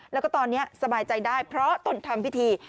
แล้วก็ตอนนี้สบายใจได้เพราะตนทำพิธี